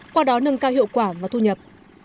qua đó nâng cao hiệu quả và thu nhập